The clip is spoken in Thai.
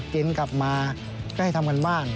เย็นกลับมาก็ให้ทำกันบ้าง